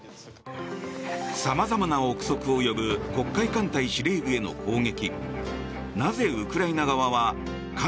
さまざまな憶測を呼ぶ黒海艦隊司令部への攻撃。